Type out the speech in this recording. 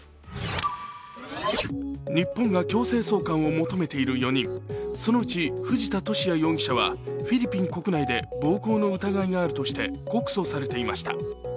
日本が強制送還を求めている４人そのうち藤田聖也容疑者はフィリピン国内で暴行の疑いがあるとして告訴されていました。